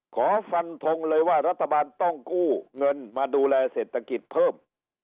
ขอฟันทงเลยว่ารัฐบาลต้องกู้เงินมาดูแลเศรษฐกิจเพิ่ม